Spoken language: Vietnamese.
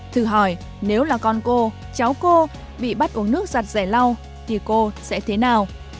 thử hỏi nếu là con cô cháu cô bị bắt uống nước giặt rẻ lau thì cô sẽ thế nào